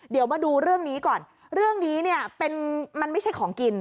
เดี๋ยวมาดูเรื่องนี้ก่อนเรื่องนี้เนี่ยเป็นมันไม่ใช่ของกิน